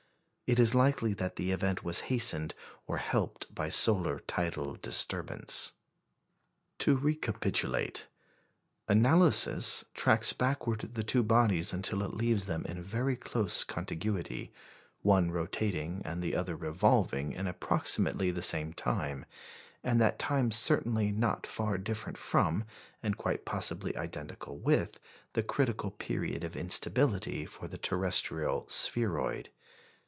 It is likely that the event was hastened or helped by solar tidal disturbance. To recapitulate. Analysis tracks backward the two bodies until it leaves them in very close contiguity, one rotating and the other revolving in approximately the same time, and that time certainly not far different from, and quite possibly identical with, the critical period of instability for the terrestrial spheroid.